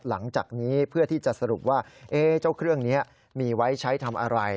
หลังจากนี้เพื่อที่จะสรุปว่าเจ้าเครื่องนี้มีไว้ใช้ทำอะไร